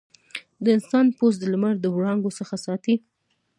د انسان پوست د لمر د وړانګو څخه ساتي.